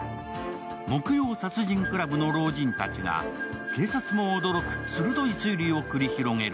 木曜殺人クラブの老人たちが、警察も驚く鋭い推理を繰り広げる。